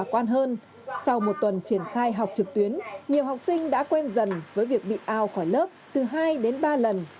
nhiều học sinh khá quan hơn sau một tuần triển khai học trực tuyến nhiều học sinh đã quen dần với việc bị ao khỏi lớp từ hai đến ba lần